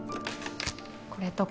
これとか。